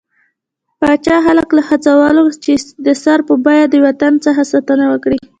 پاچا خلک له وهڅول، چې د سر په بيه د وطن څخه ساتنه وکړي.